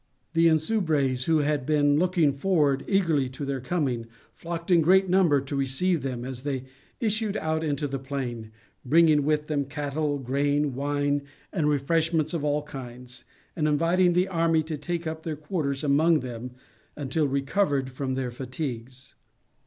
The Insubres, who had been looking forward eagerly to their coming, flocked in great numbers to receive them as they issued out into the plain, bringing with them cattle, grain, wine, and refreshments of all kinds, and inviting the army to take up their quarters among them until recovered from their fatigues.